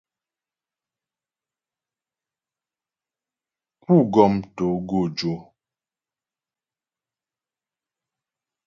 Pú gɔm togojò.